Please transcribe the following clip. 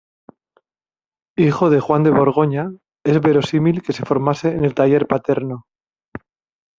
Hijo de Juan de Borgoña, es verosímil que se formase en el taller paterno.